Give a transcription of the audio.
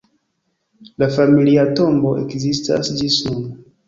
La familia tombo ekzistas ĝis nun.